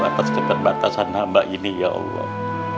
atas keterbatasan hamba ini ya allah